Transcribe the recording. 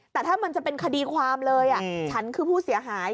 แต่ถ้ามันจะเป็นคดีความเลยฉันคือผู้เสียหาย